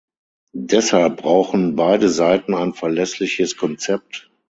Deshalb brauchen beide Seiten ein verlässliches Konzept.